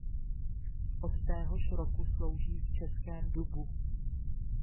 Od téhož roku slouží v Českém Dubu.